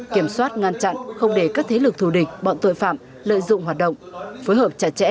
kiểm soát ngăn chặn không để các thế lực thù địch bọn tội phạm lợi dụng hoạt động phối hợp chặt chẽ